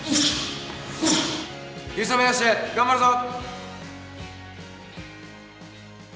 優勝目指して頑張るぞ！